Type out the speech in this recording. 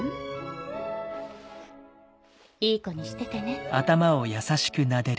いい子にしててね。